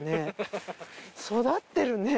育ってるね。